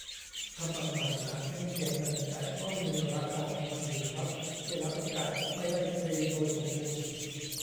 ทำบัตรใหม่อาจไม่เสียเงิน แต่ก็มีราคาของมันอยู่ครับ เวลา โอกาส ไม่ได้ฟรีโดยสมบูรณ์